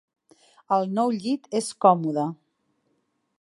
El nou llit és còmode.